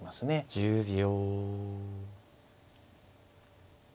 １０秒。